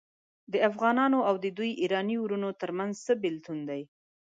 د افغانانو او د دوی ایراني وروڼو ترمنځ څه بیلتون دی.